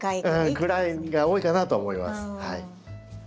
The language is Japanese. ぐらいが多いかなと思います。